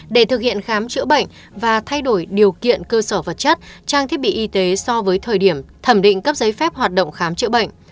để thực hiện khám chữa bệnh và thay đổi điều kiện cơ sở vật chất trang thiết bị y tế so với thời điểm thẩm định cấp giấy phép hoạt động khám chữa bệnh